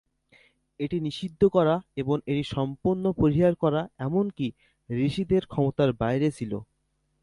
এটি নিষিদ্ধ করা এবং এটি সম্পূর্ণ পরিহার করা এমনকি ঋষিদের ক্ষমতার বাইরে ছিল।